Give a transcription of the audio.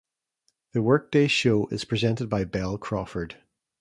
The workday show is presented by Bel Crawford.